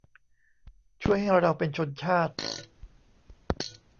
ช่วยให้เราเป็นชนชาติ